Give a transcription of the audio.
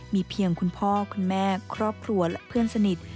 มีเพียงคุณพ่อคุณแม่ครอบครัวและเพื่อนสนิท